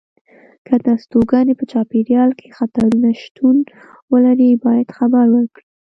که د استوګنې په چاپېریال کې خطرونه شتون ولري باید خبر ورکړي.